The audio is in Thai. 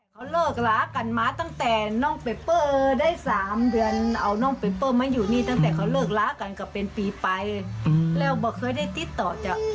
เขาเลิกลากันมาตั้งแต่น้องเปเปอร์ได้สามเดือนเอาน้องเปมเปอร์มาอยู่นี่ตั้งแต่เขาเลิกลากันก็เป็นปีไปแล้วก็เคยได้ติดต่อจาก